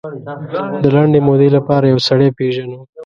د لنډې مودې لپاره یو سړی پېژنو.